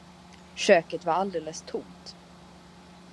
Köket var alldeles tomt.